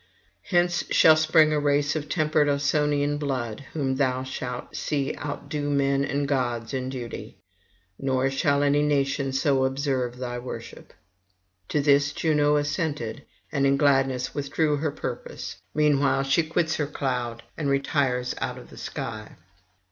Hence shall spring a race of tempered Ausonian blood, whom thou shalt see outdo men and gods in duty; nor shall any nation so observe thy worship.' To this Juno assented, and in gladness withdrew her purpose; meanwhile she quits her cloud, and retires out of the sky.